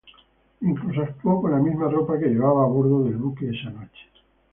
Incluso actuó con la misma ropa que llevaba a bordo del buque esa noche.